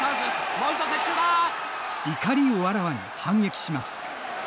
怒りをあらわに反撃します。